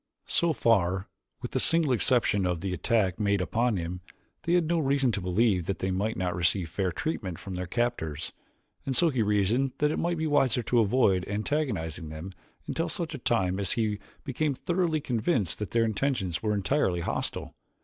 So far, with the single exception of the attack made upon him, they had no reason to believe that they might not receive fair treatment from their captors, and so he reasoned that it might be wiser to avoid antagonizing them until such a time as he became thoroughly convinced that their intentions were entirely hostile.